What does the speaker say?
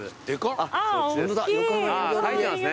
あぁ書いてますね。